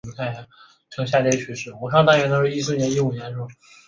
荃湾线以北端的总站设于荃湾站而命名。